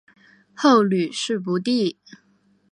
后屡试不第。